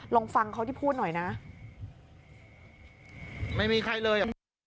ลองฟังเขาที่พูดหน่อยนะไม่มีใครเลยอ่ะ